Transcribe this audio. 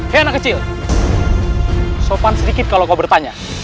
kayak anak kecil sopan sedikit kalau kau bertanya